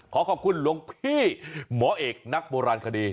ขอขอบคุณหลวงพี่หมอเอกนักโบราณคดี